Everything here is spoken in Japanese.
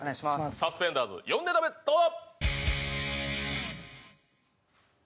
サスペンダーズ４ネタ目どうぞ！